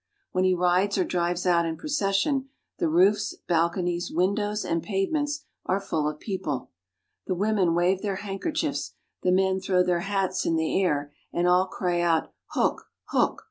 When he rides or drives out in procession, the roofs, balconies, windows, and pavements are full of people. The women wave their handkerchiefs, the men throw their hats into the air, and all cry out Hoch ! Hoch !